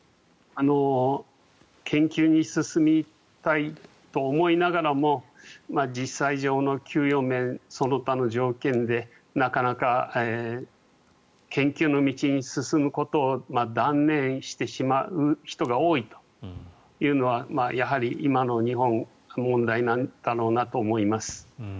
研究に進みたいと思いながらも実際上の給与面、その他の条件でなかなか研究の道に進むことを断念してしまう人が多いというのはやはり今の日本の問題なんだろうなと思います。